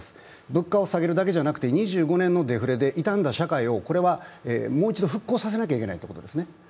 物価を下げるだけじゃなくて、２５年のデフレで痛んだ社会を、もう一度復興させないといけないということですね。